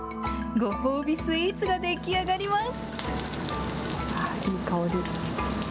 ご褒美スイーツが出来上がります。